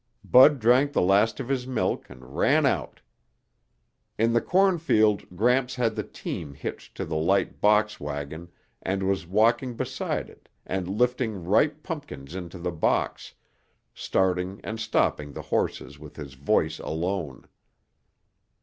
Bud drank the last of his milk and ran out. In the corn field Gramps had the team hitched to the light box wagon and was walking beside it and lifting ripe pumpkins into the box, starting and stopping the horses with his voice alone.